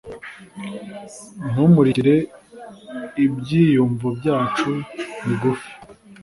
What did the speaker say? ntumurikire ibyiyumvo byacu bigufi